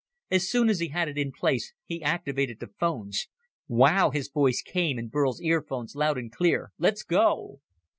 As soon as he had it in place, he activated the phones. "Wow!" his voice came in Burl's earphones loud and clear, "Let's go!"